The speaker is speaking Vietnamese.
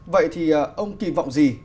vậy thì ông kỳ vọng gì